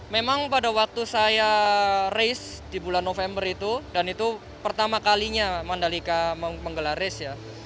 memang pada waktu saya race di bulan november itu dan itu pertama kalinya mandalika menggelar race ya